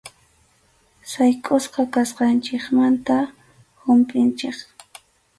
Saykʼusqa kasqanchikmanta humpʼinchik.